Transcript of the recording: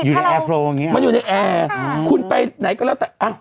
ใช่ถ้าเรามันอยู่ในแอร์คุณไปไหนก็แล้วแต่อ้าว